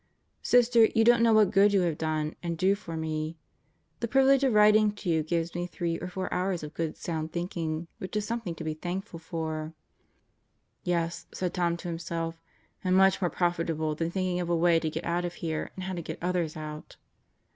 Sister, you don't know what good you have done and do me. The privilege of writing to you gives me three or four hours of good, sound thinking, which is something to be thankful for. "Yes," said Tom to himself, "and much more profitable than thinking of a way to get out of here and how to get others out."